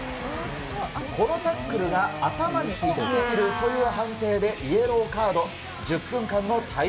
このタックルが頭にいっているという判定で、イエローカード。